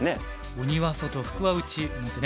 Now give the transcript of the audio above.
「鬼は外福は内」なんてね